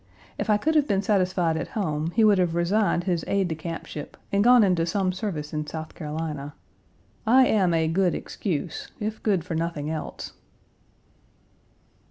If I could have been satisfied at home he would have resigned his aide de campship and gone into some service in South Carolina. I am a good excuse, if good for nothing else.